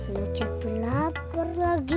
yah cepi lapar lagi